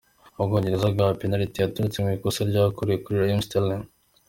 Ubwongereza bwahawe penaliti yaturutse ku ikosa ryakorewe kuri Raheem Sterling.